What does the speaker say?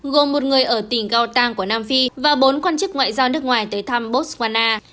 gồm một người ở tỉnh gotang của nam phi và bốn quan chức ngoại giao nước ngoài tới thăm botswana